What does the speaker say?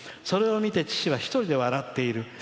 それを見て父は一人で笑っている。